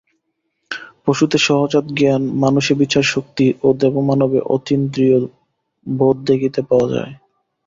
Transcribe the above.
পশুতে সহজাত জ্ঞান, মানুষে বিচারশক্তি ও দেবমানবে অতীন্দ্রিয়-বোধ দেখিতে পাওয়া যায়।